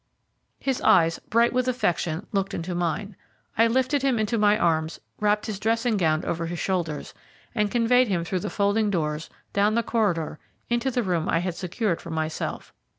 His eyes, bright with affection, looked into mine. I lifted him into my arms, wrapped his dressing gown over his shoulders, and conveyed him through the folding doors, down the corridor, into the room I had secured for myself.